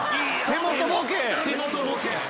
手元ボケ。